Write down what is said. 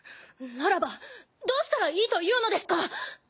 ならばどうしたらいいというのですか！